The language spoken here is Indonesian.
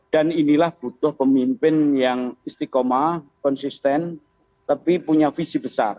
dan inilah butuh pemimpin yang istiqomah konsisten tapi punya visi besar